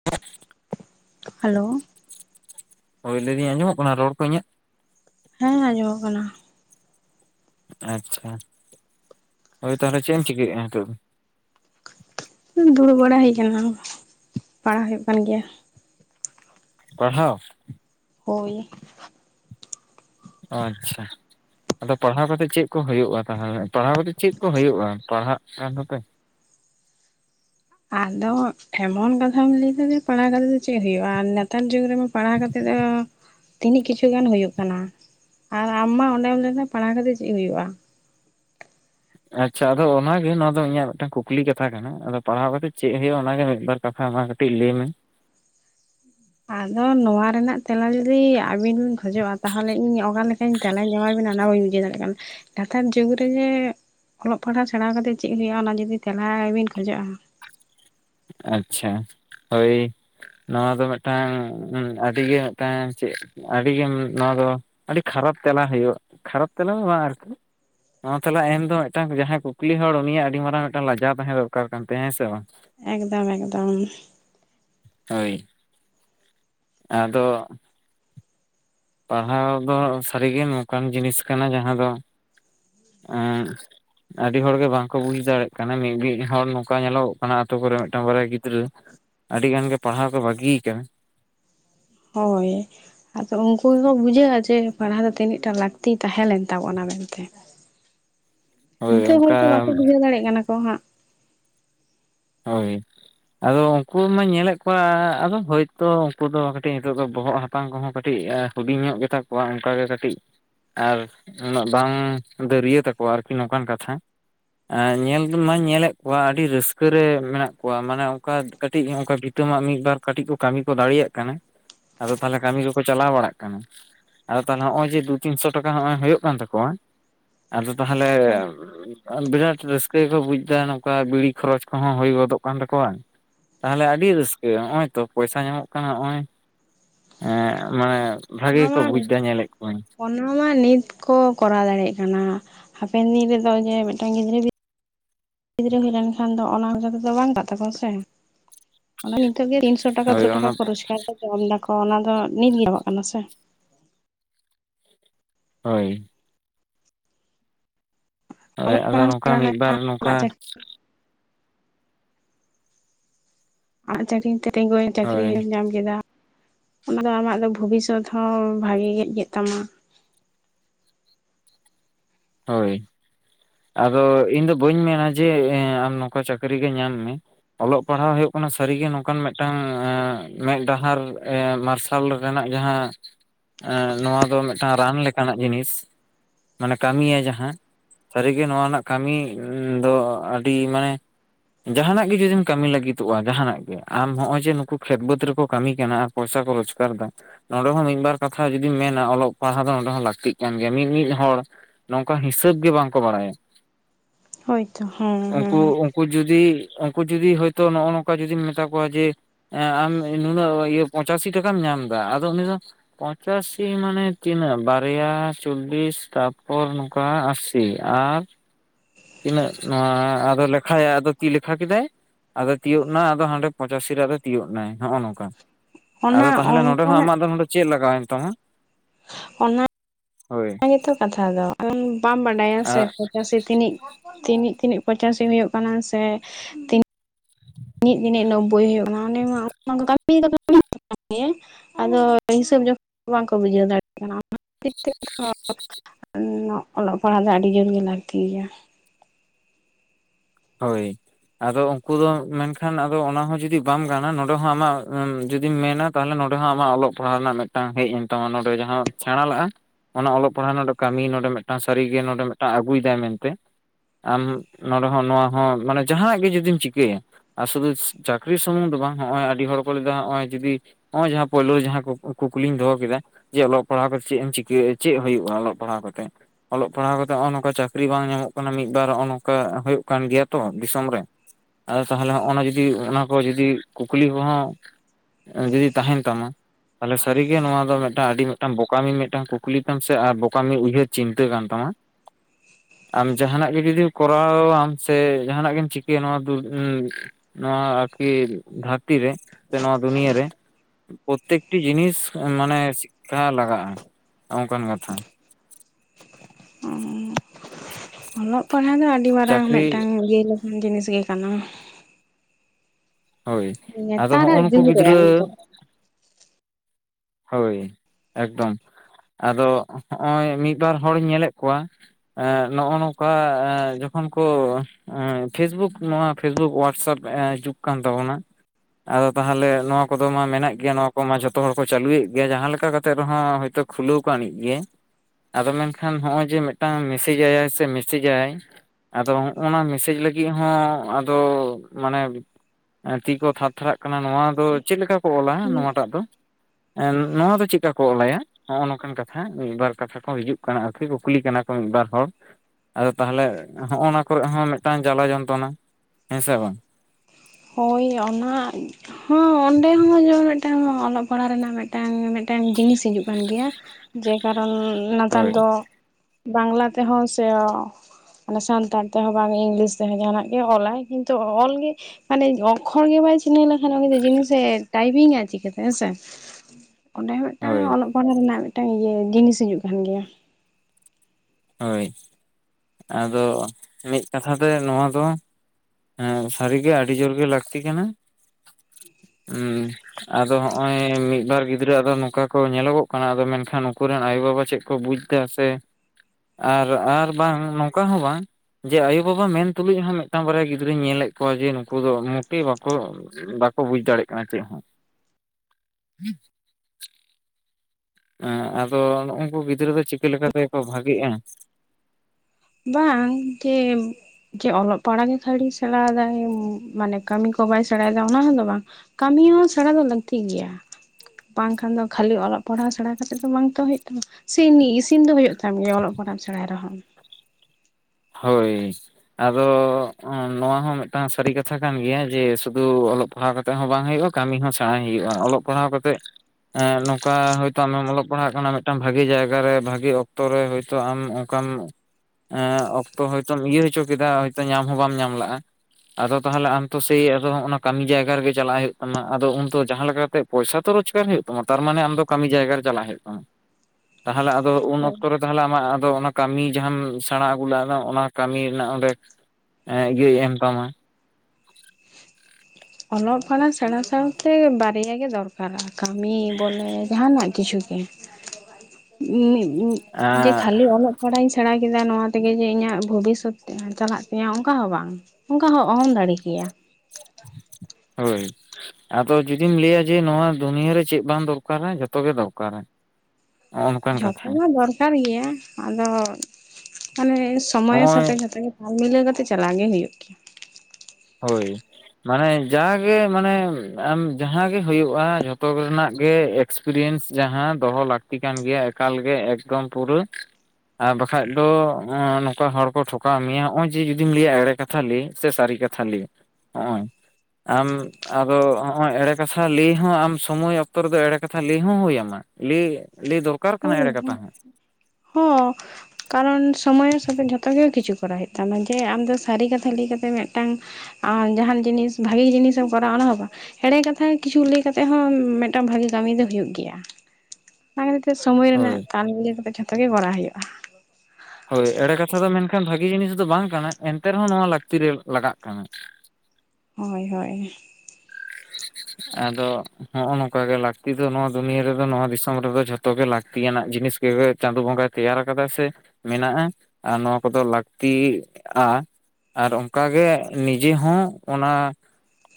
[inaudible] Hello. ᱦᱳᱭ ᱞᱟᱹᱭᱫᱤᱧ ᱟᱸᱚᱢᱚᱜ ᱠᱟᱱᱟ, ᱨᱚᱲ ᱠᱚ ᱤᱧᱟᱹᱜ? ᱦᱮᱸ ᱟᱸᱡᱚᱢᱚᱜ ᱠᱟᱱᱟ। ᱟᱪᱪᱷᱟ, ᱦᱳᱭ ᱛᱟᱦᱟᱞᱮ ᱪᱮᱫ ᱮᱢ ᱪᱤᱠᱟᱹᱭ-ᱟ ᱦᱤᱛᱚᱜ ᱫᱚ? ᱦᱩᱸ ᱫᱩᱲᱩᱵ ᱵᱟᱲᱟ ᱦᱩᱭ ᱠᱟᱱᱟ। ᱯᱟᱲᱦᱟᱣ ᱦᱩᱭᱩᱜ ᱠᱟᱱ ᱜᱮᱭᱟ। ᱯᱟᱲᱦᱟᱣ? ᱦᱳᱭ। ᱚ ᱟᱪᱪᱷᱟ। ᱟᱫᱚ ᱯᱟᱲᱦᱟᱣ ᱠᱟᱛᱮᱜ ᱪᱮᱫ ᱠᱚ ᱦᱩᱭᱩᱜᱼᱟ ᱛᱟᱦᱚᱞᱮ? ᱯᱟᱲᱦᱟᱣ ᱠᱟᱛᱮ ᱪᱮᱫ ᱠᱚ ᱦᱩᱭᱩᱜ-ᱟ ᱯᱟᱲᱦᱟᱜ ᱠᱟᱱ ᱫᱚᱯᱮ? ᱟᱫᱚ ᱮᱢᱚᱱ ᱠᱟᱛᱷᱟᱢ ᱞᱟᱹᱭᱠᱟᱫᱮᱫᱟ ᱯᱟᱲᱦᱟᱣ ᱠᱟᱛᱮᱜ ᱫᱚ ᱪᱮᱫ ᱦᱳᱭᱳᱜ-ᱟ [unintelligible] ᱱᱮᱛᱟᱨ ᱡᱩᱜᱽ ᱨᱮᱢᱟ ᱯᱟᱲᱦᱟᱣ ᱠᱟᱛᱮᱫ ᱫᱚ ᱛᱤᱱᱟᱹᱜ ᱠᱤᱪᱷᱩ ᱜᱟᱱ ᱦᱩᱭᱩᱜ ᱠᱟᱱᱟ। ᱟᱨ ᱟᱢ ᱢᱟ ᱚᱸᱰᱮᱢ ᱞᱟᱹᱭᱫᱟ ᱯᱟᱲᱦᱟᱣ ᱠᱟᱛᱮ ᱪᱮᱫ ᱦᱩᱭᱩᱜ-ᱟ᱾ ᱟᱪᱪᱷᱟ ᱟᱫᱚ ᱚᱱᱟᱜᱮ, ᱱᱚᱣᱟ ᱫᱚ ᱤᱧᱟᱹᱜ ᱢᱤᱫᱴᱟᱝ ᱠᱩᱠᱞᱤ ᱠᱟᱛᱷᱟ ᱠᱟᱱᱟ। ᱟᱫᱚ ᱯᱟᱲᱦᱟᱣ ᱠᱟᱛᱮᱫ ᱪᱮᱫ ᱦᱩᱭᱩᱜᱼᱟ? ᱚᱱᱟᱜᱮ, ᱢᱤᱫ ᱵᱟᱨ ᱼᱼ ᱠᱟᱛᱷᱟ ᱢᱟ ᱠᱟᱹᱴᱤᱡ ᱞᱟᱹᱭ ᱢᱮ। ᱟᱫᱚ ᱱᱚᱣᱟ ᱨᱮᱱᱟᱜ ᱛᱮᱞᱟ ᱡᱩᱫᱤ ᱟᱵᱤᱱ ᱵᱤᱱ ᱠᱷᱚᱡᱚᱜ-ᱟ, ᱛᱟᱦᱚᱞᱮ ᱤᱧ ᱚᱠᱟ ᱞᱮᱠᱟᱧ ᱼᱼ ᱛᱮᱞᱟᱧ ᱮᱢᱟ ᱵᱤᱱᱟ ᱚᱱᱟ ᱵᱟᱹᱧ ᱵᱩᱡᱷᱟᱹᱣ ᱫᱟᱲᱮᱭᱟᱜ ᱠᱟᱱᱟ। ᱠᱟᱛᱷᱟᱱ ᱡᱩᱜᱽ ᱨᱮᱜᱮ ᱻ ᱚᱞᱚᱜ ᱯᱟᱲᱦᱟᱜ ᱥᱮᱬᱟ ᱠᱟᱛᱮᱫ ᱪᱮᱫ ᱦᱩᱭᱩᱜ-ᱟ, ᱚᱱᱟ ᱡᱩᱫᱤ ᱛᱮᱞᱟ ᱵᱤᱱ ᱠᱷᱚᱡᱚᱜ-ᱟ, ᱟᱪᱪᱷᱟ, ᱦᱳᱭ। ᱱᱚᱣᱟ ᱫᱚ ᱢᱤᱫᱴᱟᱝ, ᱟᱹᱰᱤ ᱜᱮ ᱢᱤᱫᱴᱟᱝ ᱪᱮᱫ ᱼᱼ ᱟᱹᱰᱤ ᱜᱮ ᱱᱚᱣᱟ ᱫᱚ ᱟᱹᱰᱤ ᱠᱷᱟᱨᱟᱯ ᱛᱮᱞᱟ ᱦᱩᱭᱩᱜᱼᱟ। ᱠᱷᱟᱨᱟᱯ ᱛᱮᱞᱟ ᱫᱚ ᱵᱟᱝ ᱟᱨᱠᱤ। ᱱᱚᱶᱟ ᱛᱮᱞᱟ ᱮᱱ ᱫᱚ, ᱢᱤᱫᱴᱟᱝ ᱡᱟᱦᱟᱸᱭ ᱠᱩᱠᱞᱤ ᱦᱚᱲ ᱩᱱᱤᱭᱟᱜ ᱟᱹᱰᱤ ᱢᱟᱨᱟᱝ ᱢᱤᱫᱴᱟᱝ ᱞᱟᱡᱟᱣ ᱛᱟᱦᱮᱸ ᱫᱚᱨᱠᱟᱨ ᱠᱟᱱ ᱛᱟᱭᱟ ᱦᱮᱸ ᱥᱮ ᱵᱟᱝ? ᱮᱠᱫᱚᱢ ᱮᱠᱫᱚᱢ। ᱦᱳᱭ। ᱟᱫᱚ ᱼ ᱯᱟᱲᱦᱟᱣ ᱫᱚ ᱥᱟᱹᱨᱤ ᱜᱮ ᱱᱚᱝᱠᱟᱱ ᱡᱤᱱᱤᱥ ᱠᱟᱱᱟ ᱡᱟᱦᱟᱸ ᱫᱚ, ᱮᱸᱜ ᱟᱹᱰᱤ ᱦᱚᱲᱜᱮ ᱵᱟᱝᱠᱚ ᱵᱩᱡᱽ ᱫᱟᱲᱮᱭᱟᱜ ᱠᱟᱱᱟ, ᱢᱤᱫ ᱢᱤᱫ ᱦᱚᱲ ᱱᱚᱝᱠᱟ ᱧᱮᱞᱚᱜᱚᱜ ᱠᱟᱱᱟ ᱟᱛᱳ ᱠᱚᱨᱮ ᱢᱤᱫᱴᱟᱝ ᱵᱟᱨᱭᱟ ᱜᱤᱫᱽᱨᱟᱹ। ᱟᱹᱰᱤ ᱜᱟᱱ ᱜᱮ ᱯᱟᱲᱦᱟᱣ ᱠᱚ ᱵᱟᱹᱜᱤ ᱠᱟᱜᱼᱟ। ᱦᱳᱭ। ᱟᱫᱚ ᱩᱱᱠᱩ ᱠᱤ ᱠᱚ ᱵᱩᱡᱷᱟᱹᱣᱟ ᱡᱮ, ᱯᱟᱲᱦᱟᱣ ᱫᱚ ᱛᱤᱱᱟᱹᱜ ᱴᱟ ᱞᱟᱹᱠᱛᱤ ᱛᱟᱦᱮᱸ ᱞᱮᱱ ᱛᱟᱵᱚᱱᱟ ᱢᱮᱱᱛᱮ। ᱦᱳᱭ ᱱᱤᱛᱚᱜ ᱚᱱᱠᱟ ᱵᱳᱞᱛᱳ ᱵᱟᱠᱚ ᱵᱩᱡᱷᱟᱹᱣ ᱫᱟᱲᱮᱭᱟᱜ ᱠᱟᱱᱟ ᱠᱚ ᱦᱟᱸᱜ। ᱦᱳᱭ। ᱟᱫᱚ ᱩᱱᱠᱩ ᱢᱟᱧ ᱧᱮᱞᱮᱫ ᱠᱚᱣᱟᱻ ᱟᱫᱚ ᱦᱳᱭᱛᱚ ᱩᱱᱠᱩ ᱫᱚ ᱠᱟᱹᱴᱤᱡ ᱱᱤᱛᱚᱜ ᱫᱚ ᱵᱚᱦᱚᱜ ᱦᱟᱛᱟᱝ ᱠᱚᱦᱚᱸ ᱠᱟᱹᱴᱤᱡ ᱟ ᱼᱼ ᱦᱩᱵᱤᱧ ᱧᱚᱜ ᱜᱮ ᱛᱟᱠᱚᱣᱟ ᱚᱱᱠᱟ ᱜᱮ ᱠᱟᱹᱴᱤᱡ᱾ ᱟᱨ ᱩᱱᱟᱹᱜ ᱵᱟᱝ ᱫᱟᱹᱨᱭᱟᱹ ᱛᱟᱠᱚᱣᱟ ᱟᱨᱠᱤ ᱱᱚᱝᱠᱟᱱ ᱠᱟᱛᱷᱟ। ᱟ ᱧᱮᱞ ᱢᱟᱧ ᱧᱮᱞᱮᱫ ᱠᱚᱣᱟ ᱟᱹᱰᱤ ᱨᱟᱹᱥ ᱠᱟᱹᱨᱮ ᱢᱮᱱᱟᱜ ᱠᱚᱣᱟ ᱢᱟᱱᱮ ᱚᱱᱠᱟ ᱠᱟᱹᱴᱤᱡ ᱚᱱᱠᱟ ᱵᱤᱛᱟᱹᱢᱟᱜ ᱢᱤᱫ ᱵᱟᱨ ᱠᱟᱹᱴᱤᱡ ᱠᱚ ᱠᱟᱹᱢᱤ ᱠᱚ ᱫᱟᱲᱮᱭᱟᱜ ᱠᱟᱱᱟ᱾ ᱟᱫᱚ ᱛᱟᱦᱚᱞᱮ ᱠᱟᱹᱢᱤ ᱠᱚᱠᱚ ᱪᱟᱞᱟᱣ ᱵᱟᱲᱟᱜ ᱠᱟᱱᱟ? ᱟ ᱛᱟᱦᱚᱞᱮ ᱦᱸᱚᱜ-ᱚᱭ ᱡᱮ ᱫᱩ ᱛᱤᱱᱥᱚ ᱴᱟᱠᱟ ᱦᱚᱸᱜ-ᱚᱭ ᱦᱩᱭᱩᱜ ᱠᱟᱱ ᱛᱟᱠᱚᱣᱟ ᱟᱫᱚ ᱛᱟᱦᱚᱞᱮ ᱵᱤᱨᱟᱴ ᱨᱟᱹᱥᱠᱟᱹ ᱜᱮᱠᱚ ᱵᱩᱡ ᱮᱫᱟ ᱱᱚᱝᱠᱟ ᱵᱤᱲᱤ ᱠᱷᱚᱨᱚᱪ, ᱠᱚᱦᱚᱸ ᱦᱩᱭ ᱜᱚᱫᱚᱜ ᱠᱟᱱ ᱛᱟᱠᱚᱣᱟ᱾ ᱛᱟᱦᱟᱞᱮ ᱟᱰᱤ ᱨᱟᱹᱥᱠᱟᱹ ᱦᱚᱸᱜᱼᱚᱭ ᱛᱚ ᱯᱚᱭᱥᱟ ᱧᱟᱢᱚᱜ ᱠᱟᱱᱟ ᱦᱚᱸᱜᱼᱚᱭ᱾ ᱮᱸ ᱢᱟᱱᱮ ᱵᱷᱟᱜᱮ ᱚᱱᱟ ᱜᱮᱠᱚ ᱢᱟ ᱵᱩᱡ ᱮᱫᱟ ᱧᱮᱞᱮᱫ ᱠᱚᱣᱟᱹᱧ᱾ ᱚᱱᱟ ᱢᱟ ᱱᱤᱛ ᱠᱚ ᱠᱚᱨᱟᱣ ᱫᱟᱲᱭᱟᱜ ᱠᱟᱱᱟ᱾ ᱦᱟᱯᱮᱱ ᱫᱤᱱ ᱨᱮᱫᱚ ᱡᱮ ᱢᱤᱫᱴᱟᱝ ᱜᱤᱫᱽᱨᱟᱹ ᱜᱤᱫᱽᱨᱟᱹ ᱦᱩᱭ ᱞᱮᱱᱠᱷᱟᱱ ᱫᱚ ᱚᱱᱟ ᱡᱳᱨ ᱫᱚ ᱵᱟᱝ ᱪᱟᱜ ᱛᱟᱠᱚᱣᱟ ᱥᱮ᱾ ᱚᱱᱟ ᱱᱤᱛᱚᱜ ᱜᱮ ᱛᱤᱱᱥᱚ ᱴᱟᱠᱟ ᱫᱩ ᱦᱳᱭ ᱴᱟᱠᱟ ᱚᱱᱟ ᱠᱚ ᱨᱳᱡᱽᱜᱟᱨᱫᱟ ᱡᱚᱢ ᱫᱟᱠᱚ ᱚᱱᱟ ᱫᱚ ᱱᱤᱛ ᱜᱮ ᱧᱟᱢᱚᱜ ᱠᱟᱱᱟ ᱥᱮ᱾ ᱦᱳᱭ᱾ ᱦᱳᱭ ᱚᱞᱚᱜ ᱟᱫᱚ ᱯᱟᱲᱦᱟᱣ ᱱᱚᱝᱠᱟ ᱥᱮᱬᱟ ᱢᱤᱫ ᱵᱟᱨ ᱞᱮᱠᱷᱟᱱ ᱱᱚᱝᱠᱟ ᱟᱢᱟᱜ ᱪᱟᱹᱠ ᱟᱨ ᱪᱟᱹᱠᱨᱤ [unintelligible] ᱛᱮᱤᱧᱜ ᱪᱟᱹᱠᱨᱤ ᱦᱳᱭ ᱧᱟᱢ ᱠᱮᱫᱟ ᱚᱱᱟ ᱫᱚ ᱟᱢᱟᱜ ᱫᱚ ᱵᱷᱚᱵᱤᱥᱥᱚᱛ ᱦᱚᱸᱻ ᱵᱷᱟᱜᱮ ᱜᱮ ᱤᱭᱟᱹᱜ ᱛᱟᱢᱟ᱾ ᱦᱳᱭ᱾ ᱟᱫᱚ ᱤᱧ ᱫᱚ ᱵᱟᱹᱧ ᱢᱮᱱᱟ ᱡᱮ ᱟᱢ ᱱᱚᱝᱠᱟ ᱪᱟᱹᱠᱨᱤ ᱜᱮ ᱧᱟᱢ ᱢᱮ᱾ ᱚᱞᱚᱜ ᱯᱟᱲᱦᱟᱣ ᱦᱩᱭᱩᱜ ᱠᱟᱱᱟ ᱥᱟᱹᱨᱤᱜᱮ ᱱᱚᱝᱠᱟᱱ ᱢᱤᱫᱴᱟᱝ ᱢᱮᱫ ᱰᱟᱦᱟᱨ ᱢᱟᱨᱼ ᱥᱟᱞ ᱨᱮᱱᱟᱜ ᱡᱟᱦᱟᱸ, ᱮᱸ ᱱᱚᱣᱟ ᱫᱚ ᱢᱤᱫᱴᱟᱝ ᱨᱟᱱ ᱞᱮᱠᱟᱱᱟᱜ ᱡᱤᱱᱤᱥ ᱢᱟᱱᱮ ᱠᱟᱹᱢᱤᱭᱟ ᱡᱟᱦᱟᱸ, ᱥᱟᱹᱨᱤᱜᱮ ᱱᱚᱣᱟ ᱨᱮᱱᱟᱜ ᱠᱟᱹᱢᱤ ᱫᱚ ᱟᱹᱰᱤ ᱢᱟᱱᱮᱼᱼ ᱡᱟᱦᱟᱱᱟᱜ ᱜᱮ ᱡᱩᱫᱤᱢ ᱠᱟᱹᱢᱤ ᱞᱟᱹᱜᱤᱫᱚᱜᱼᱟ ᱡᱟᱦᱟᱱᱟᱜ ᱜᱮ, ᱟᱢ ᱦᱚᱸᱜ- ᱚᱭ ᱡᱮ ᱱᱩᱠᱩ ᱠᱷᱮᱛ ᱵᱟᱹᱫᱽ ᱨᱮᱠᱚ ᱠᱟᱹᱢᱤ ᱠᱟᱱᱟ ᱯᱚᱭᱥᱟ ᱠᱚ ᱨᱳᱡᱽᱜᱟᱨ ᱫᱟ ᱱᱚᱸᱰᱮ ᱦᱚᱸ ᱢᱤᱫ ᱵᱟᱨ ᱠᱟᱛᱷᱟ ᱡᱩᱫᱤᱢ ᱢᱮᱱᱟ ᱚᱞᱚᱜ ᱯᱟᱲᱦᱟᱜ ᱫᱚ ᱱᱚᱰᱮ ᱦᱚᱸ ᱞᱟᱹᱠᱛᱤᱜ ᱠᱟᱱ ᱜᱮᱭᱟ᱾ ᱢᱤᱫᱢᱤᱫ ᱦᱚᱲᱼᱼ ᱱᱚᱝᱠᱟ ᱦᱤᱥᱟᱹᱵ ᱜᱮ ᱵᱟᱝᱠᱚ ᱵᱟᱲᱟᱭᱟ ᱾ ᱦᱳᱭᱛᱚ ᱦᱮᱸ ᱦᱮᱸ ᱾ ᱩᱱᱠᱩ ᱡᱩᱫᱤ ᱩᱱᱠᱩ ᱡᱩᱫᱤ ᱦᱚᱭᱛᱳ ᱱᱚᱜᱼᱚ ᱱᱚᱝᱠᱟ ᱡᱩᱫᱤᱢ ᱢᱮᱛᱟ ᱠᱚᱣᱟ ᱡᱮ ᱮᱸ ᱟᱢ ᱱᱩᱱᱟᱹᱜ ᱤᱭᱟᱹ ᱯᱚᱸᱪᱟᱥᱤ ᱴᱟᱠᱟᱢ ᱧᱟᱢ ᱮᱫᱟ ᱟᱫᱚ ᱩᱱᱤ ᱫᱚ ᱯᱚᱸᱪᱟᱥᱤ ᱢᱟᱱᱮ ᱛᱤᱱᱟᱹᱜ ᱵᱟᱨᱭᱟ ᱪᱚᱞᱞᱤᱥ ᱛᱟ ᱯᱳᱚᱨ ᱱᱚᱝᱠᱟ ᱟᱥᱤ ᱟᱨ ᱛᱤᱱᱟᱹᱜ ᱱᱚᱣᱟ ᱟᱨᱚ ᱞᱮᱠᱷᱟᱭᱟ ᱟᱫᱚ ᱛᱤ ᱞᱮᱠᱷᱟ ᱠᱮᱫᱟᱭ ᱟᱫᱚ ᱛᱤᱭᱳᱜ ᱱᱟ ᱟᱫᱚ ᱦᱟᱸᱰᱮ ᱯᱚᱸᱪᱟᱥᱤ ᱨᱮ ᱟᱫᱚ ᱛᱤᱭᱚᱜ ᱱᱟᱭ ᱱᱚᱜᱼᱚ ᱱᱚᱝᱠᱟ ᱾ ᱟᱫᱚ ᱚᱱᱟ ᱛᱟᱦᱚᱞᱮ ᱱᱚᱰᱮ ᱦᱚᱸ ᱚᱱᱠᱟᱱᱟᱜ ᱟᱢᱟᱜ ᱫᱚ ᱱᱚᱰᱮ ᱪᱮᱫ ᱞᱟᱜᱟᱣᱮᱱ ᱛᱟᱢᱟ? ᱚᱱᱟ ᱦᱳᱭ ᱜᱮᱛᱚ ᱠᱟᱛᱷᱟ ᱫᱚ ᱵᱟᱢ ᱵᱟᱰᱟᱭᱟ ᱥᱮ ᱟᱨ ᱾ ᱯᱚᱪᱟᱥᱤ ᱛᱤᱱᱤᱜ ᱛᱤᱱᱤᱜ ᱛᱤᱱᱤᱜ ᱯᱚᱪᱟᱥᱤ ᱦᱩᱭᱩᱜ ᱠᱟᱱᱟ ᱥᱮ ᱛᱤ ᱛᱤᱱᱤᱜ ᱛᱤᱱᱤᱜ ᱱᱚᱵᱵᱚᱭ ᱦᱩᱭᱩᱜᱼᱟ ᱤᱱᱤ ᱢᱟ [inaudible] [inaudible] ᱟᱫᱚ ᱦᱤᱥᱟᱹᱵ ᱡᱚᱠᱷᱟ ᱵᱟᱝᱠᱚ ᱵᱩᱡᱷᱟᱹᱣ ᱫᱟᱲᱮᱭᱟᱜ ᱠᱟᱱᱟ ᱚᱱᱟ ᱠᱷᱟᱹᱛᱤᱨ ᱛᱮᱜᱮ ᱛᱚ ᱚᱻ ᱚᱞᱚᱜ ᱯᱟᱲᱦᱟᱜ ᱫᱚ ᱟᱹᱰᱤ ᱡᱳᱨᱜᱮ ᱞᱟᱹᱠᱛᱤ ᱜᱮᱭᱟ ᱾ ᱦᱳᱭ ᱾ ᱟᱫᱚ ᱩᱱᱠᱩ ᱫᱚ ᱢᱮᱱᱠᱷᱟᱱ ᱟᱫᱚ ᱚᱱᱟᱦᱚᱸ ᱡᱩᱫᱤ ᱵᱟᱢ ᱜᱟᱱᱟ ᱱᱚᱸᱰᱮ ᱦᱚᱸ ᱟᱢᱟᱜ ᱡᱩᱫᱤᱢ ᱢᱮᱱᱟ ᱛᱟᱦᱚᱞᱮ ᱱᱚᱰᱮ ᱦᱚᱸ ᱟᱢᱟᱜ ᱚᱞᱚᱜ ᱯᱟᱲᱦᱟᱜ ᱨᱮᱱᱟᱜ ᱢᱤᱫᱴᱟᱝ ᱦᱮᱡ ᱮᱱ ᱛᱟᱢᱟ ᱱᱚᱰᱮ ᱡᱟᱦᱟᱸ ᱥᱮᱬᱟ ᱞᱟᱜᱼᱟ ᱾ ᱚᱱᱟ ᱚᱞᱚᱜ ᱯᱟᱲᱦᱟᱜ ᱱᱚᱰᱮ ᱠᱟᱹᱢᱤ ᱱᱚᱰᱮ ᱢᱤᱫᱴᱟᱝ ᱥᱟᱹᱨᱤᱜᱮ ᱱᱚᱰᱮ ᱢᱤᱫᱴᱟᱝ ᱟᱹᱜᱩᱭᱮᱫᱟᱭ ᱢᱮᱱᱛᱮ ᱾ ᱟᱢ ᱱᱚᱰᱮ ᱦᱚᱸ ᱱᱚᱣᱟ ᱦᱚᱸ ᱢᱟᱱᱮ ᱡᱟᱦᱱᱟᱜ ᱜᱮ ᱡᱩᱫᱤᱢ ᱪᱤᱠᱟᱹᱭᱟ, ᱟᱨ ᱥᱩᱫᱩ ᱪᱟᱹᱠᱨᱤ ᱥᱩᱢᱩᱝ ᱫᱚ ᱵᱟᱝ ᱦᱚᱜᱼᱚᱭ ᱟᱹᱰᱤ ᱦᱚᱲ ᱠᱚ ᱞᱮᱫᱟ ᱦᱚᱜᱼᱚᱭ ᱡᱩᱫᱤ ᱦᱚᱜᱼᱚᱭ ᱡᱟᱦᱟᱸ ᱯᱳᱭᱞᱳ ᱨᱮ ᱡᱟᱦᱟᱸ ᱠᱩᱠ-ᱠᱩᱠᱞᱤᱧ ᱫᱚᱦᱚ ᱠᱮᱫᱟ, ᱡᱮ ᱚᱞᱚᱜ ᱯᱟᱲᱦᱟᱣ ᱠᱟᱛᱮᱫ ᱪᱮᱫ ᱮᱢ ᱪᱤᱠᱟᱹᱭᱟ ᱪᱮᱫ ᱦᱩᱭᱩᱜᱼᱟ ᱚᱞᱚᱜ ᱯᱟᱲᱦᱟᱣ ᱠᱟᱛᱮᱫ? ᱚᱞᱚᱜ ᱯᱟᱲᱦᱟᱣ ᱠᱟᱛᱮ ᱦᱚᱜᱼᱚ ᱱᱚᱝᱠᱟ ᱪᱟᱹᱠᱨᱤ ᱵᱟᱝ ᱧᱟᱢᱚᱜ ᱠᱟᱱᱟ ᱢᱤᱫ ᱵᱟᱨ ᱦᱚᱜᱼᱚ ᱱᱚᱝᱠᱟ ᱦᱩᱭᱩᱜ ᱠᱟᱱ ᱜᱮᱭᱟ ᱛᱚ ᱫᱤᱥᱚᱢ ᱨᱮ ᱾ ᱟᱫᱚ ᱛᱟᱦᱚᱞᱮ ᱦᱚᱸᱜᱼ ᱚᱱᱟ ᱡᱩᱫᱤ ᱚᱱᱟ ᱠᱚ ᱡᱩᱫᱤ ᱠᱩᱠᱞᱤ ᱠᱚᱦᱚᱸ ᱮ ᱡᱩᱫᱤ ᱛᱟᱦᱮᱱ ᱛᱟᱢᱟ, ᱛᱟᱦᱚᱞᱮ ᱥᱟᱹᱨᱤ ᱜᱮ ᱱᱚᱣᱟ ᱫᱚ ᱢᱤᱫᱴᱟᱝ ᱟᱹᱰᱤ ᱢᱤᱫᱴᱟᱝ ᱵᱚᱠᱟᱢᱤ ᱢᱤᱫᱴᱟᱝ ᱠᱩᱠᱞᱤ ᱛᱟᱢ ᱥᱮ ᱟᱨ ᱵᱚᱠᱟᱢᱤ ᱩᱭᱦᱟᱹᱨ ᱪᱤᱱᱛᱟᱹ ᱠᱟᱱ ᱛᱟᱢᱟ ᱾ [unintelligible] ᱟᱢ ᱡᱟᱦᱟᱱᱟᱜ ᱜᱮ ᱡᱩᱫᱤᱢ ᱠᱚᱨᱟᱣᱟᱢ ᱥᱮ ᱡᱟᱦᱟᱱᱟᱜ ᱜᱮᱢ ᱪᱤᱠᱟᱹᱭᱟ ᱱᱚᱣᱟ ᱫᱩ ᱱᱚᱣᱟ ᱟᱨᱠᱤ ᱫᱷᱟᱹᱨᱛᱤ ᱨᱮ ᱥᱮ ᱱᱚᱣᱟ ᱫᱩᱱᱤᱭᱟᱹ ᱨᱮ, ᱯᱨᱚᱛᱮᱠᱴᱤ ᱡᱤᱱᱤᱥ ᱢᱟᱱᱮ ᱥᱤᱠᱽᱠᱷᱟ ᱞᱟᱜᱟᱜᱼᱟ ᱚᱝᱠᱟᱱ ᱠᱟᱛᱷᱟ ᱾ [inaudible] ᱚᱞᱚᱜ ᱯᱟᱲᱦᱟᱜ ᱫᱚ ᱟᱹᱰᱤ ᱢᱟᱨᱟᱝ ᱪᱟᱹᱠᱨᱤ ᱢᱤᱫᱴᱟᱝ ᱤᱭᱟᱹ ᱞᱮᱠᱟᱱ ᱡᱤᱱᱤᱥ ᱜᱮ ᱠᱟᱱᱟ᱾ ᱦᱳᱭ, ᱟᱫᱚ ᱦᱚᱜᱼ ᱱᱮᱛᱟᱨᱟᱜ ᱱᱩᱠᱩ ᱡᱩᱜᱽ ᱨᱮ ᱜᱤᱫᱽᱨᱟᱹ ᱦᱳᱭ ᱮᱠᱫᱚᱢ, ᱟᱫᱚ ᱦᱚᱜᱼᱚᱭ ᱢᱤᱫ ᱵᱟᱨ ᱦᱚᱲ ᱤᱧ ᱧᱮᱞᱮᱫ ᱠᱚᱣᱟ, ᱮ ᱱᱚᱜᱼᱚ ᱱᱚᱝᱠᱟ ᱡᱚᱠᱷᱚᱱ ᱠᱚ ᱮᱸ ᱯᱷᱮᱥᱵᱩᱠ ᱱᱚᱣᱟ ᱯᱷᱮᱥᱵᱩᱠ ᱦᱚᱣᱟᱴᱥᱮᱯ ᱮᱸ ᱡᱩᱜ ᱠᱟᱱ ᱛᱟᱵᱚᱱᱟ ᱾ ᱟᱫᱚ ᱛᱟᱦᱚᱞᱮ ᱱᱚᱣᱟ ᱠᱚ ᱫᱚ ᱢᱟ ᱢᱮᱱᱟᱜ ᱜᱮᱭᱟ ᱱᱚᱣᱟ ᱠᱚᱢᱟ ᱡᱷᱚᱛᱚ ᱦᱚᱲ ᱠᱚ ᱪᱟᱹᱞᱩᱭᱮᱫ ᱜᱮᱭᱟ ᱡᱟᱦᱟᱸ ᱞᱮᱠᱟ ᱠᱟᱛᱮᱜ ᱨᱮᱦᱚᱸ ᱦᱚᱭᱛᱚ ᱠᱷᱩᱞᱟᱹᱣ ᱠᱟᱱ ᱟᱹᱱᱤᱡ ᱜᱮᱭᱟ ᱾ ᱟᱫᱚ ᱢᱮᱱᱠᱷᱟᱱ ᱦᱚᱜᱼᱚᱭ ᱡᱮ ᱢᱤᱫᱴᱟᱝ ᱢᱮᱥᱮᱥ ᱟᱭᱟᱭ ᱥᱮ ᱢᱮᱥᱮᱥ ᱟᱭ᱾ ᱟᱫᱚ ᱦᱚᱸᱜᱼ ᱱᱟ ᱢᱮᱥᱮᱡᱽ ᱞᱟᱹᱜᱤᱫ ᱦᱚᱸ ᱟᱫᱚ ᱢᱟᱱᱮ ᱛᱤ ᱠᱚ ᱛᱷᱟᱨ ᱛᱷᱟᱨᱟᱜ ᱠᱟᱱᱟ ᱱᱚᱣᱟ ᱫᱚ ᱪᱮᱫᱞᱮᱠᱟ ᱠᱚ ᱚᱞᱟ ᱱᱚᱣᱟᱴᱟᱜ ᱫᱚ? ᱱᱚᱣᱟ ᱫᱚ ᱪᱮᱫᱠᱟ ᱠᱚ ᱚᱞᱟᱭᱟ? ᱦᱚᱜᱼᱚ ᱱᱚᱝᱠᱟᱱ ᱠᱟᱛᱷᱟ ᱢᱤᱫᱵᱟᱨ ᱠᱟᱛᱷᱟ ᱠᱚ ᱦᱤᱡᱩᱜ ᱠᱟᱱᱟ ᱟᱨᱠᱤ ᱠᱩᱠᱞᱤ ᱠᱟᱱᱟ ᱠᱚ ᱢᱤᱫ ᱵᱟᱨ ᱦᱚᱲ ᱾ ᱟᱫᱚ ᱛᱟᱦᱚᱞᱮ ᱦᱚᱜᱼᱚᱱᱟ ᱠᱚᱨᱮᱜ ᱦᱚᱸ ᱢᱤᱫᱴᱟᱝ ᱡᱟᱞᱟ ᱡᱚᱱᱛᱚᱱᱟ ᱦᱮᱸ ᱥᱮ ᱵᱟᱝ! ᱦᱳᱭ ᱚᱱᱟ ᱾ ᱦᱚᱸ ᱚᱸᱰᱮ ᱦᱚᱸ ᱡᱮᱢᱚᱱ ᱢᱤᱫᱴᱟᱝ ᱚᱞᱚᱜ ᱯᱟᱲᱦᱟᱜ ᱨᱮᱱᱟᱜ ᱢᱤᱫᱴᱟᱝ ᱢᱤᱫᱴᱟᱝ ᱡᱤᱱᱤᱥ ᱦᱤᱡᱩᱜ ᱠᱟᱱ ᱜᱮᱭᱟ ᱾ ᱡᱮ ᱠᱟᱨᱚᱱ ᱱᱮᱛᱟᱨ ᱦᱳᱭ ᱫᱚ ᱵᱟᱝᱞᱟ ᱛᱮᱦᱚᱸ ᱥᱮ ᱾ ᱚᱱᱮ ᱥᱟᱱᱛᱟᱲ ᱛᱮᱦᱚᱸ ᱵᱟᱝ ᱤᱝᱞᱤᱥ ᱛᱮ ᱦᱚᱸ ᱡᱟᱦᱟ ᱱᱟᱜ ᱜᱮ ᱚᱞᱟᱭ ᱠᱤᱱᱛᱩ ᱚᱞ ᱜᱮ ᱾ ᱢᱟᱱᱮ ᱚᱠᱠᱷᱚᱨ ᱜᱮ ᱵᱟᱭ ᱪᱤᱱᱦᱟᱹᱣ ᱞᱮᱠᱷᱟᱱ ᱩᱱᱤ ᱡᱤᱱᱤᱥᱮ ᱴᱟᱭᱯᱤᱝ ᱟᱭ ᱪᱤᱠᱟᱹᱛᱮ ᱦᱮᱸᱥᱮ ᱾ ᱚᱸᱰᱮ ᱦᱚᱸ ᱢᱤᱫᱴᱟᱝ ᱦᱳᱭ ᱚᱞᱚᱜ ᱯᱟᱲᱦᱟᱜ ᱨᱮᱱᱟᱜ ᱢᱤᱫᱴᱟᱝ ᱤᱭᱟᱹ ᱡᱤᱱᱤᱥ ᱦᱤᱡᱩᱜ ᱠᱟᱱ ᱜᱮᱭᱟ ᱾ ᱦᱳᱭ, ᱟᱫᱚ ᱢᱤᱫ ᱠᱟᱛᱷᱟ ᱛᱮ ᱱᱚᱣᱟ ᱫᱚ᱾ ᱦᱮᱸ ᱥᱟᱹᱨᱤᱜᱮ ᱟᱹᱰᱤ ᱡᱳᱨ ᱜᱮ ᱞᱟᱹᱠᱛᱤ ᱠᱟᱱᱟ ᱦᱩᱸ᱾ ᱟᱫᱚ ᱦᱚᱜ-ᱚᱭ ᱢᱤᱫᱵᱟᱨ ᱜᱤᱫᱽᱨᱟᱹ ᱟᱫᱚ ᱱᱚᱝᱠᱟ ᱠᱚ ᱧᱮᱞᱚᱜᱚᱜ ᱠᱟᱱᱟ, ᱟᱫᱚ ᱢᱮᱱᱠᱷᱟᱱ ᱩᱱᱠᱩ ᱨᱮᱱ ᱟᱭᱳ ᱵᱟᱵᱟ ᱪᱮᱫ ᱠᱚ ᱵᱩᱡ -ᱛᱮ ᱟᱨᱥᱮ ᱟᱨ ᱟᱨ ᱵᱟᱝ ᱱᱚᱝᱠᱟ ᱦᱚᱸ ᱵᱟᱝ ᱡᱮ ᱟᱭᱳ ᱵᱟᱵᱟ ᱢᱮᱱ ᱛᱩᱞᱩᱡ ᱦᱚᱸ ᱢᱤᱫᱴᱟᱝ ᱵᱟᱨᱭᱟ ᱜᱤᱫ -ᱨᱟᱹᱧ ᱧᱮᱞᱮᱫ ᱠᱚᱣᱟ ᱡᱮ ᱱᱩᱠᱩ ᱫᱚ ᱢᱚᱴᱮ ᱵᱟᱠᱚ, ᱵᱟᱠᱚ ᱵᱩᱡ ᱫᱟᱲᱮᱭᱟᱜ ᱠᱟᱱᱟ ᱪᱮᱫ ᱦᱚᱸ᱾ [unintelligible] ᱦᱮᱸ ᱟᱫᱚ ᱱᱚᱝᱠᱩ ᱜᱤᱫᱽᱨᱟᱹ ᱫᱚ ᱪᱤᱠᱟᱹ ᱞᱮᱠᱟᱛᱮ ᱠᱚ ᱵᱷᱟᱜᱤᱜᱼᱟ? ᱵᱟᱝ ᱠᱮᱢ ᱡᱮ ᱚᱞᱚᱜ ᱯᱟᱲᱦᱟᱜᱮ ᱥᱷᱟᱹᱲᱤ ᱥᱮᱬᱟᱭ ᱫᱟᱭ ᱢᱟᱱᱮ ᱠᱟᱹᱢᱤ ᱠᱚ ᱵᱟᱭ ᱥᱮᱬᱟᱭᱮᱫᱟ ᱚᱱᱟ ᱦᱚᱸᱫᱚ ᱵᱟᱝ ᱾ ᱠᱟᱹᱢᱤ ᱦᱚᱸ ᱥᱮᱬᱟ ᱫᱚ ᱞᱟᱹᱠᱛᱤ ᱜᱮᱭᱟ ᱾ ᱵᱟᱝ ᱠᱷᱟᱱ ᱫᱚ ᱠᱷᱟᱹᱞᱤ ᱚᱞᱚᱜ ᱯᱟᱲᱦᱟᱣ ᱥᱮᱬᱟ ᱠᱟᱛᱮᱫ ᱫᱚ ᱵᱟᱝ ᱛᱚ ᱦᱩᱭᱩᱜ ᱛᱟᱢᱟ ᱥᱮ ᱤᱥᱤᱱ ᱫᱚ ᱦᱩᱭᱩᱜ ᱛᱟᱢ ᱜᱮ ᱚᱞᱚᱜ ᱯᱟᱲᱦᱟᱜ ᱮᱢ ᱥᱮᱬᱟᱭ ᱨᱮᱦᱚᱸ᱾ ᱦᱳᱭ᱾ ᱟᱫᱚ ᱱᱚᱣᱟ ᱦᱚᱸ ᱢᱤᱫᱴᱟᱝ ᱥᱟᱹᱨᱤ ᱠᱟᱛᱷᱟ ᱠᱟᱱ ᱜᱮᱭᱟ ᱡᱮ ᱥᱩᱫᱷᱩ ᱚᱞᱚᱜ ᱯᱟᱲᱦᱟᱣ ᱠᱟᱛ -ᱛᱮᱜ ᱦᱚᱸ ᱵᱟᱝ ᱦᱩᱭᱩᱜᱼᱟ ᱠᱟᱹᱢᱤ ᱦᱚᱸ ᱥᱮᱬᱟᱭ ᱦᱩᱭᱩᱜᱼᱟ ᱚᱞᱚᱜ ᱯᱟᱲᱦᱟᱣ ᱠᱟᱛᱮ ᱦᱮᱸ ᱱᱚᱝᱠᱟ ᱦᱳᱭᱛᱚ ᱟᱢᱮᱢ ᱚᱞᱚᱜ ᱯᱟᱲᱦᱟᱜ ᱠᱟᱱᱟ ᱢᱤᱫᱴᱟᱝ ᱵᱷᱟᱜᱤ ᱡᱟᱭᱜᱟ ᱨᱮ ᱵᱷᱟᱜᱤ ᱚᱠᱛᱚᱨᱮ ᱦᱳᱭᱛᱳ ᱟᱢ᱾ ᱚᱱᱠᱟᱢ ᱮ ᱚᱠᱛᱚ ᱦᱚᱭ ᱛᱚᱢ ᱤᱭᱟᱹ ᱦᱚᱪᱚ ᱠᱮᱜ-ᱟ ᱧᱟᱢ ᱦᱚᱸ ᱵᱟᱢ ᱧᱟᱢᱞᱟᱜᱼᱟ ᱾ ᱟᱫᱚ ᱛᱟᱦᱚᱞᱮ ᱟᱢ ᱛᱚ ᱥᱮᱭ ᱟᱫᱚ ᱚᱱᱟ ᱠᱟᱹᱢᱤ ᱡᱟᱭᱜᱟ ᱨᱮ ᱜᱮ ᱪᱟᱞᱟᱜ ᱦᱩᱭᱩᱜ ᱛᱟᱢᱟ ᱟᱫᱚ ᱩᱱ ᱛᱚ ᱡᱟᱦᱟᱸ ᱞᱮᱠᱟᱛᱮ ᱯᱚᱭᱥᱟ ᱛᱚ ᱨᱚᱡᱜᱟᱨ ᱦᱩᱭᱩᱜ ᱛᱟᱢᱟ ᱛᱟᱨ ᱢᱟᱱᱮ ᱟᱢ ᱫᱚ ᱠᱟᱹᱢᱤ ᱡᱟᱭᱜᱟ ᱨᱮ ᱪᱟᱞᱟᱜ ᱦᱩᱭᱩᱜ ᱛᱟᱢᱟ ᱾ ᱛᱟᱦᱚᱞᱮ ᱟᱫᱚ ᱩᱱ ᱦᱳᱭ ᱚᱠᱛᱚ ᱨᱮ ᱛᱟᱦᱚᱞᱮ ᱟᱢᱟᱜ ᱟᱫᱚ ᱚᱱᱟ ᱠᱟᱹᱢᱤ ᱡᱟᱦᱟᱸ ᱟᱢ ᱥᱮᱬᱟ ᱟᱹᱜᱩ ᱞᱮᱜ᱾ ᱚᱱᱮ ᱚᱱᱟ ᱠᱟᱹᱢᱤ ᱨᱮᱱᱟᱜ ᱚᱸᱰᱮ ᱤᱭᱟᱹᱭ ᱮᱢ ᱛᱟᱢᱟ ᱾ ᱚᱞᱚᱜ ᱯᱟᱲᱦᱟᱜ ᱥᱮᱬᱟ ᱥᱮᱬᱟ ᱛᱮ ᱵᱟᱨᱭᱟᱜ ᱜᱮ ᱫᱚᱨᱠᱟᱨᱟ ᱠᱟᱹᱢᱤ ᱵᱚᱞᱮ ᱡᱟᱦᱟ ᱱᱟᱜ ᱠᱤᱪᱷᱩ ᱜᱮ ᱾ [unintelligible] ᱡᱮ ᱮᱸ ᱠᱷᱟᱞᱤ ᱚᱞᱚᱜ ᱾ ᱚᱲᱟᱜ ᱤᱧ ᱥᱮᱬᱟ ᱠᱮᱫᱟ ᱱᱚᱣᱟ ᱛᱮ ᱜᱮ ᱡᱮ ᱤᱧᱟᱹᱜ ᱵᱷᱚᱵᱤᱥᱚᱛ ᱪᱟᱞᱟᱜ ᱛᱤᱧᱟᱹ ᱚᱱᱠᱟ ᱦᱚᱸ ᱵᱟᱝ᱾ ᱚᱱᱠᱟ ᱦᱚᱸ ᱚᱦᱚᱢ ᱫᱟᱲᱮ ᱠᱮᱭᱟ᱾ [inaudible] ᱦᱳᱭ᱾ ᱟᱫᱚ ᱡᱩᱫᱤᱢ ᱞᱟᱹᱭᱟ ᱡᱮ ᱱᱚᱣᱟ ᱫᱩᱱᱭᱟᱹ ᱨᱮ ᱪᱮᱜ ᱵᱟᱝ ᱫᱚᱨᱠᱟᱨᱟ ᱡᱷᱚᱛᱚ ᱜᱮ ᱫᱚᱨᱠᱟᱨᱟ᱾ ᱱᱚᱜᱼᱚ ᱱᱚᱝᱠᱟᱱ ᱡᱷᱚᱛᱚ ᱠᱟᱛᱷᱟ ᱢᱟ ᱫᱚᱨᱠᱟᱨ ᱜᱮᱭᱟ ᱟᱫᱚ ᱢᱟᱱᱮ ᱥᱚᱢᱚᱭ ᱱᱚᱜᱼᱚᱭ ᱥᱟᱛᱮ ᱡᱷᱚᱛᱚ ᱜᱮ᱾ ᱦᱟᱞ ᱢᱤᱞᱟᱹᱣ ᱠᱟᱛᱮᱜ ᱪᱟᱞᱟᱣ ᱜᱮ ᱦᱩᱭᱩᱜ ᱜᱮᱭᱟ᱾ ᱦᱳᱭ᱾ ᱢᱟᱱᱮ ᱡᱟᱜᱮ ᱢᱟᱱᱮ ᱟᱢ ᱡᱟᱦᱟᱸ ᱜᱮ ᱦᱩᱭᱩᱜ-ᱟ ᱡᱷᱚᱛᱚ ᱜᱮ ᱨᱮᱱᱟᱜ ᱜᱮᱼᱼ ᱮᱠᱥᱯᱨᱤᱭᱮᱱᱥ ᱡᱟᱦᱟᱸ ᱫᱚᱦᱚ ᱞᱟᱹᱠᱛᱤ ᱠᱟᱱ ᱜᱮᱭᱟ ᱮᱠᱟᱞ ᱜᱮ ᱮᱠᱫᱚᱢ ᱯᱩᱨᱟᱹ᱾ ᱟᱨ ᱵᱟᱠᱷᱟᱡ ᱫᱚ ᱚ ᱱᱚᱝᱠᱟ ᱦᱚᱲ ᱠᱚ ᱴᱷᱚᱠᱟᱣ ᱢᱮᱭᱟ ᱱᱚᱜ-ᱚᱸᱭ ᱡᱮ ᱡᱩᱫᱤᱢ ᱞᱟᱹᱭᱟ ᱮᱲᱮ ᱠᱟᱛᱷᱟ ᱞᱟᱹᱭ ᱥᱮ ᱥᱟᱨᱤ ᱠᱟᱛᱼᱼ ᱠᱷᱟᱞᱤ ᱭᱟᱜ ᱦᱚᱸᱜ-ᱚᱸᱭᱼᱼ ᱟᱢ ᱟᱫᱚ ᱦᱚᱸᱜ-ᱚᱭ ᱮᱲᱮ ᱠᱟᱛᱷᱟ ᱞᱟᱹᱭ ᱦᱚᱸ ᱟᱢ ᱥᱚᱢᱚᱭ ᱚᱠᱛᱚ ᱨᱮᱫᱚ ᱮᱲᱮ ᱠᱟᱛᱷᱟ ᱞᱟᱹᱭ ᱦᱚᱸ ᱦᱩᱭ ᱟᱢᱟ᱾ ᱞᱟᱹᱭ ᱞᱟᱹᱭ ᱫᱚᱨᱼᱼ ᱦᱳᱭ ᱦᱮᱸ ᱦᱚ᱾ ᱠᱟᱨᱚᱱ ᱥᱚᱢᱚᱭ ᱥᱟᱛᱮ ᱡᱷᱚᱛᱚ ᱜᱮ ᱠᱤᱪᱷᱩ ᱠᱚᱨᱟᱣ ᱦᱩᱭᱩᱜ ᱛᱟᱢᱟ ᱡᱮ ᱟᱢ ᱫᱚ ᱥᱟᱨᱤ ᱠᱟᱛᱷᱟ ᱞᱟᱹᱭ ᱠᱟᱛᱮᱜ ᱢᱮᱜᱴᱟᱝᱼᱼ ᱟᱨ ᱡᱟᱦᱟᱸᱱ ᱡᱤᱱᱤᱥ ᱵᱷᱟᱜᱤ ᱡᱤᱱᱤᱥ ᱮᱢ ᱠᱚᱨᱟᱣᱟ ᱚᱱᱟ ᱦᱚᱸ ᱵᱟᱝ᱾ ᱦᱮᱲᱮ ᱠᱟᱛᱷᱟ ᱠᱤᱪᱷᱩ ᱞᱟᱹᱭ ᱠᱟᱛᱮᱜ ᱦᱚᱸ ᱢᱮᱜᱴᱟᱝ ᱵᱷᱟᱜᱤ ᱠᱟᱢᱤ ᱫᱚ ᱦᱩᱭᱩᱜ ᱜᱮᱭᱟ ᱚᱱᱟ ᱠᱷᱟᱹᱛᱤᱨᱼᱼ ᱥᱳᱢᱳᱭ ᱨᱮᱱᱟᱜ ᱦᱳᱭ ᱛᱟᱞ ᱢᱤᱞᱟᱹᱣ ᱠᱟᱛᱮᱜ ᱡᱷᱚᱛᱚ ᱜᱮ ᱠᱚᱨᱟᱣ ᱦᱩᱭᱩᱜ-ᱟ᱾ ᱦᱳᱭ ᱮᱲᱮ ᱠᱟᱛᱷᱟ ᱫᱚ ᱢᱮᱱᱠᱷᱟᱱ ᱵᱷᱟᱜᱤ ᱡᱤᱱᱤᱥ ᱫᱚ ᱵᱟᱝ ᱠᱟᱱᱟ ᱮᱱᱛᱮ ᱨᱮᱦᱚᱸ ᱱᱚᱣᱟ ᱞᱟᱹᱠᱛᱤ ᱨᱮ ᱞᱟᱜᱟᱜ ᱠᱟᱱᱟ᱾ ᱦᱳᱭ ᱦᱳᱭ ᱦᱮᱸ᱾ [inaudible] ᱟᱫᱚᱼᱼ ᱱᱚᱜ-ᱚ ᱱᱚᱝᱠᱟ ᱜᱮ ᱞᱟᱠᱛᱤ ᱫᱚ ᱱᱚᱣᱟ ᱫᱩᱱᱤᱭᱟᱹ ᱨᱮᱫᱚ ᱱᱚᱣᱟ ᱫᱤᱥᱚᱢ ᱨᱮᱫᱚ ᱡᱷᱚᱛᱚ ᱜᱮ ᱞᱟᱠᱛᱤ ᱭᱟᱱᱟᱜ ᱡᱤᱱᱤᱥ ᱜᱮ ᱪᱟᱸᱫᱳ ᱵᱚᱸᱜᱟᱭᱼᱼ ᱛᱮᱭᱟᱨ ᱠᱟᱫᱟᱭ ᱥᱮ ᱢᱮᱱᱟᱜ-ᱟ ᱟᱨ ᱱᱚᱣᱟ ᱠᱚᱫᱚ ᱞᱟᱠᱛᱤᱜ-ᱟ᱾ ᱟᱨ ᱚᱱᱠᱟ ᱜᱮ ᱱᱤᱡᱮ ᱦᱚᱸ ᱚᱱᱟ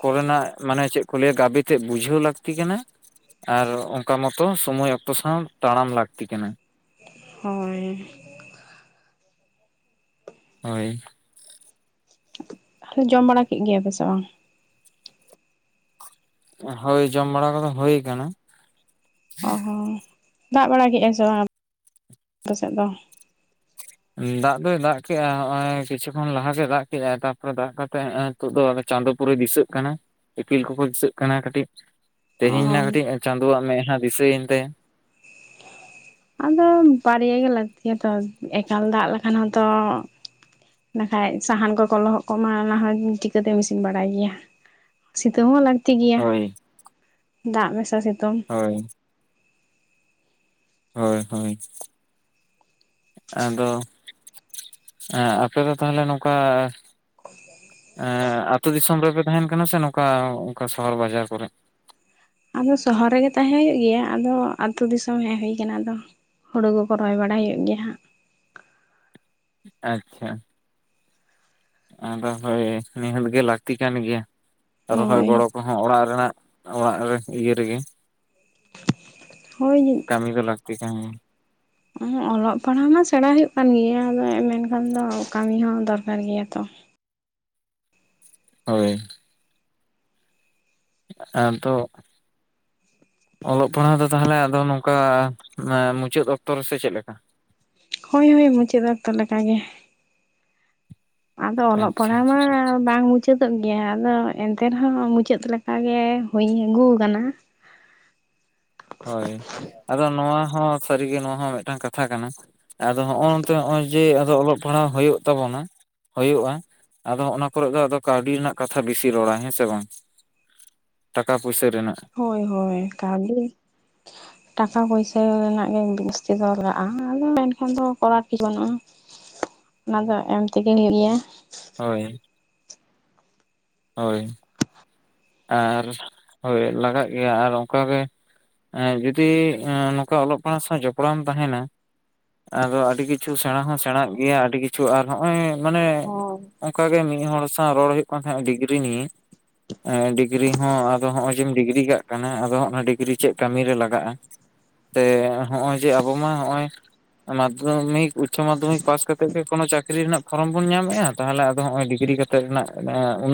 ᱠᱚ ᱨᱮᱱᱟᱜᱼᱼ ᱢᱟᱱᱮ ᱪᱮᱜ ᱠᱚ ᱞᱟᱹᱭᱟ ᱜᱟᱵᱮ ᱛᱮᱜ ᱵᱩᱡᱷᱟᱹᱣ ᱞᱟᱠᱛᱤ ᱠᱟᱱᱟ᱾ ᱟᱨ ᱚᱱᱠᱟ ᱢᱚᱛᱚ ᱥᱳᱢᱳᱭ ᱚᱠᱛᱚ ᱥᱟᱶ ᱛᱟᱲᱟᱢ ᱞᱟᱠᱛᱤ ᱠᱟᱱᱟ᱾ ᱦᱳᱭ᱾ ᱦᱳᱭ᱾ ᱛᱟᱞᱮ ᱡᱚᱢ ᱵᱟᱲᱟ ᱠᱮᱜ ᱜᱮᱭᱟ ᱯᱮ ᱥᱮ ᱵᱟᱝ? ᱦᱳᱭ ᱡᱚᱢ ᱵᱟᱲᱟ ᱠᱚᱫᱚ ᱦᱳᱭ ᱠᱟᱱᱟ᱾ ᱚ ᱦᱚᱸ ᱫᱟᱜ ᱵᱟᱲᱟ ᱠᱮᱜ-ᱟᱭ ᱥᱮ ᱵᱟᱝ ᱟᱯ ᱼᱯᱮ ᱥᱮᱜ ᱫᱚ? ᱩᱸ ᱫᱟᱜ ᱫᱚᱭ ᱫᱟᱜ ᱠᱮᱜ-ᱟ ᱦᱚᱸᱜ-ᱚᱭ ᱠᱤᱪᱷᱩ ᱠᱷᱚᱱ ᱞᱟᱦᱟᱭ ᱜᱮᱭ ᱫᱟᱜ ᱠᱮᱜ-ᱟᱭ ᱛᱟᱯᱚᱨᱮ ᱫᱟᱜ ᱠᱟᱛᱮᱜ ᱦᱚᱸᱜ-ᱚᱭᱼᱼ ᱱᱤᱛᱚᱜ ᱫᱚ ᱪᱟᱸᱫᱳ ᱯᱩᱨᱟᱹᱭ ᱫᱤᱥᱟᱹᱜ ᱠᱟᱱᱟ ᱤᱯᱤᱞ ᱠᱚᱠᱚ ᱫᱤᱥᱟᱹᱜ ᱠᱟᱱᱟ ᱠᱟᱹᱴᱤᱡ᱾ ᱛᱮᱦᱮᱧ ᱚ ᱱᱟᱦ ᱠᱟᱹᱴᱤᱡ ᱮ ᱪᱟᱸᱫᱳ ᱣᱟᱜ ᱢᱮᱫ ᱦᱟᱸ ᱫᱤᱥᱟᱹ ᱭᱮᱱ ᱛᱟᱭᱟ᱾ ᱟᱫᱚ ᱵᱟᱨᱭᱟ ᱜᱮ ᱞᱟᱹᱠᱛᱤ ᱭᱟ ᱛᱚ ᱮᱠᱟᱞ ᱫᱟᱜ ᱞᱮᱠᱷᱟᱱ ᱦᱚᱸ ᱛᱚᱼᱼ ᱱᱟᱠᱷᱟᱡ ᱥᱟᱦᱟᱱ ᱠᱚᱠᱚ ᱞᱚᱦᱚᱫ ᱠᱚᱜ ᱢᱟ ᱚᱱᱟ ᱦᱚᱸ ᱩᱸ ᱪᱤᱠᱟᱹ ᱛᱮᱢ ᱤᱥᱤᱱ ᱵᱟᱲᱟᱭ ᱭᱟ᱾ ᱥᱤᱛᱩᱝ ᱦᱚᱸ ᱞᱟᱠᱛᱤ ᱜᱮᱭᱟ ᱦᱳᱭ ᱫᱟᱜ ᱢᱮᱥᱟ ᱥᱤᱛᱩᱢ᱾ ᱦᱳᱭ᱾ ᱦᱳᱭ ᱦᱳᱭ᱾ ᱟᱫᱚ ᱮᱸᱜ ᱟᱯᱮ ᱫᱚ ᱛᱟᱦᱚᱞᱮ ᱱᱚᱠᱟᱼᱼ ᱮᱸ ᱟᱛᱩ ᱫᱤᱥᱚᱢ ᱨᱮᱯᱮ ᱛᱟᱦᱮᱱ ᱠᱟᱱᱟ ᱥᱮ ᱱᱚᱝᱠᱟ ᱚ ᱚᱝᱠᱟ ᱥᱚᱦᱚᱨ ᱵᱟᱡᱟᱨ ᱠᱚᱨᱮ? ᱟᱫᱚ ᱥᱚᱦᱚᱨ ᱨᱮᱜᱮ ᱛᱟᱦᱮᱸ ᱦᱳᱭᱳᱜ ᱜᱮᱭᱟ ᱟᱫᱚ ᱟᱛᱩ ᱫᱤᱥᱚᱢ ᱦᱮᱡ ᱦᱩᱭ ᱠᱟᱱᱟ ᱟᱫᱚ᱾ ᱦᱩᱲᱩ ᱠᱚ ᱠᱚ ᱨᱚᱦᱚᱭ ᱵᱟᱲᱟᱭ ᱦᱩᱭᱩᱜ ᱜᱮᱭᱟ ᱦᱟᱸᱜ᱾ ᱟᱪᱷᱟ᱾ ᱟᱸᱫᱚ ᱦᱳᱭ ᱱᱤᱦᱟᱹᱛ ᱜᱮ ᱞᱟᱠᱛᱤ ᱠᱟᱱ ᱜᱮᱭᱟ ᱨᱚᱦᱚᱭ ᱦᱳᱭ ᱜᱚᱲᱚ᱾ ᱠᱚ ᱦᱚᱸ ᱚᱲᱟᱜ ᱨᱮᱱᱟᱜ ᱚᱲᱟᱜ ᱨᱮ ᱤᱭᱟᱹ ᱨᱮᱜᱮ᱾ ᱦᱳᱭ ᱠᱟᱹᱢᱤ ᱫᱚ ᱞᱟᱞᱛᱤ ᱠᱟ ᱜᱮᱭᱟ᱾ ᱚ ᱦᱚᱸ ᱚᱞᱚᱜ ᱯᱟᱲᱦᱟᱣ ᱢᱟ ᱥᱮᱬᱟ ᱦᱩᱭᱩᱜ ᱠᱟᱱ ᱜᱮᱭᱟ ᱟᱫᱚ ᱢᱮᱱᱠᱷᱟᱱ ᱫᱚ ᱠᱟᱢᱤ ᱦᱚᱸ ᱫᱚᱨᱠᱟᱨ ᱜᱮᱭᱟ ᱛᱚ᱾ ᱦᱳᱭ᱾ ᱟᱫᱚᱜᱼᱼ ᱚᱞᱚᱜ ᱯᱟᱲᱦᱟᱣ ᱫᱚ ᱛᱟᱦᱚᱞᱮ ᱟᱫᱚ ᱱᱚᱝᱠᱟ ᱱᱮ ᱢᱩᱪᱟᱹᱫ ᱚᱠᱛᱚ ᱨᱮᱥᱮ ᱪᱮᱜ ᱞᱮᱠᱟ? ᱦᱳᱭ ᱦᱳᱭ ᱢᱩᱪᱟᱹᱫ ᱚᱠᱛᱚ ᱞᱮᱠᱟᱜᱮ- ᱟᱫᱚ ᱚᱞᱚᱜ ᱟᱪᱪᱷᱟ ᱯᱟᱲᱦᱟᱣ ᱢᱟ ᱵᱟᱝ ᱵᱩᱡ- ᱢᱩᱪᱟᱹᱫᱚᱜ ᱜᱮᱭᱟ ᱟᱫᱚ ᱮᱱᱛᱮ ᱨᱮᱦᱚᱸ ᱢᱩᱪᱟᱹᱫ ᱞᱮᱠᱟᱜᱮ ᱦᱳᱭ ᱟᱹᱜᱩ ᱠᱟᱱᱟ- ᱦᱳᱭ ᱟᱫᱚ ᱱᱚᱣᱟ ᱦᱚᱸ ᱥᱟᱹᱨᱤᱜᱮ ᱱᱚᱣᱟ ᱦᱚᱸ ᱢᱤᱫᱴᱟᱝ ᱠᱟᱛᱷᱟ ᱠᱟᱱᱟ- ᱟᱫᱚ ᱱᱚᱜᱼᱚᱭ ᱛᱚ ᱱᱚᱜᱼᱚᱭ ᱡᱮ ᱟᱫᱚ ᱚᱞᱚᱜ ᱯᱟᱲᱦᱟᱣ ᱦᱩᱭᱩᱜ ᱛᱟᱵᱚᱱᱟ᱾ ᱦᱳᱭᱳᱜᱼᱟ ᱟᱫᱚ ᱚᱱᱟ ᱠᱚᱨᱮᱜ ᱫᱚ ᱟᱫᱚ ᱠᱟᱹᱣᱰᱤ ᱨᱮᱱᱟᱜ ᱠᱟᱛᱷᱟ ᱵᱮᱥᱤ ᱨᱚᱲᱟᱭ ᱦᱮᱸ ᱥᱮ ᱵᱟᱝ? ᱴᱟᱠᱟ ᱯᱩᱭᱥᱟᱹ ᱨᱮᱱᱟᱜ᱾ ᱦᱳᱭ ᱦᱳᱭ ᱠᱟᱹᱣᱰᱤ- ᱴᱟᱠᱟ ᱯᱩᱭᱥᱟᱹ ᱨᱮᱱᱟᱜ ᱜᱮ ᱡᱟᱹᱥᱛᱤ ᱫᱚ ᱞᱟᱜᱟᱜᱼᱟ ᱟᱫᱚ ᱢᱮᱱᱠᱷᱟᱱ ᱫᱚ ᱠᱚᱨᱟᱨ ᱠᱤᱪᱷᱩ ᱵᱟᱹᱱᱩᱜᱼᱟ᱾ ᱚᱱᱟ ᱫᱚ ᱮᱢ ᱛᱮᱜᱮ ᱦᱩᱭᱩᱜ ᱜᱮᱭᱟ᱾ ᱦᱳᱭ᱾ ᱦᱳᱭ᱾ ᱟᱨ ᱦᱳᱭ ᱞᱟᱜᱟᱜ ᱜᱮᱭᱟ ᱟᱨ ᱚᱝᱠᱟᱜᱮ ᱮᱸ ᱡᱩᱫᱤ ᱮᱸ ᱱᱚᱝᱠᱟ ᱚᱞᱚᱜ ᱯᱟᱲᱦᱟᱜ ᱥᱟᱶ ᱡᱚᱯᱲᱟᱣᱼᱮᱢ ᱛᱟᱦᱮᱸᱱᱟ ᱟᱫᱚ ᱟᱹᱰᱤ ᱠᱤᱪᱷᱩ ᱥᱮᱬᱟ ᱦᱚᱸ ᱥᱮᱬᱟᱜ ᱜᱮᱭᱟ ᱟᱹᱰᱤ ᱠᱤᱪᱷᱩ ᱟᱨ ᱱᱚᱸᱜᱼᱚᱭ ᱢᱟᱱᱮ ᱚ ᱚᱱᱠᱟ ᱜᱮ ᱢᱤᱫ ᱦᱚᱲ ᱥᱟᱶ ᱨᱚᱲ ᱦᱩᱭᱩᱜ ᱠᱟᱱ ᱛᱟᱦᱮᱸᱱᱟ ᱰᱤᱜᱽᱨᱤ ᱱᱤᱭᱮ, ᱮᱸ ᱰᱤᱜᱽᱨᱤ ᱦᱚᱸ ᱟᱫᱚ ᱦᱚᱸᱜᱼᱚᱭ ᱡᱮᱢ ᱰᱤᱜᱽᱨᱤ ᱠᱟᱜ ᱠᱟᱱᱟ ᱟᱫᱚ ᱚᱱᱟ ᱰᱤᱜᱽᱨᱤ ᱪᱮᱫ ᱠᱟᱹᱢᱤᱨᱮ ᱞᱟᱜᱟᱜᱼᱟ? ᱥᱮ ᱦᱚᱸᱜᱼᱚᱭ ᱡᱮ ᱟᱵᱚ ᱢᱟ ᱱᱚᱸᱜᱼᱚᱭ ᱢᱟᱫᱽᱫᱷᱚᱢᱤᱠ ᱩᱪᱪᱚ ᱢᱟᱫᱽᱫᱷᱚᱢᱤᱠ ᱯᱟᱥ ᱠᱟᱛᱮᱜ ᱜᱮ ᱠᱳᱱᱳ ᱪᱟᱹᱠᱨᱤ ᱨᱮᱱᱟᱜ ᱯᱷᱚᱨᱚᱢ ᱵᱚᱱ ᱧᱟᱢᱮᱫᱼᱟ ᱛᱟᱦᱚᱞᱮ ᱟᱫᱚ ᱱᱚᱸᱜᱼᱚᱭ ᱰᱤᱜᱽᱨᱤ ᱠᱟ ᱛᱮ ᱨᱮᱱᱟᱜ ᱟᱸ ᱩᱱᱟᱹᱜ